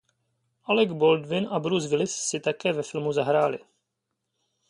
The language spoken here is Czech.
Alec Baldwin a Bruce Willis si také ve filmu zahráli.